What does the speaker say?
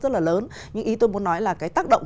rất là lớn nhưng ý tôi muốn nói là cái tác động